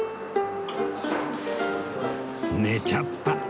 寝ちゃった